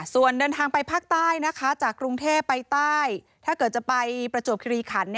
ส่วนเดินทางไปภาคใต้นะคะจากกรุงเทพไปใต้ถ้าเกิดจะไปประจวบคิริขัน